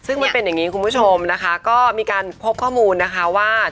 ซึ่งมันเป็นอย่างนี้คุณผู้ชมนะคะก็มีการพบข้อมูลนะคะว่า